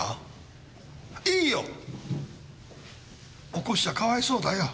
起こしちゃかわいそうだよ。